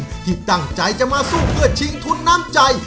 โดยการแข่งขาวของทีมเด็กเสียงดีจำนวนสองทีม